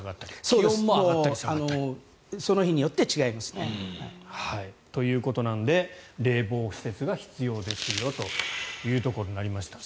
気温もその日によって違いますね。ということなので冷房施設が必要ですよということになりました。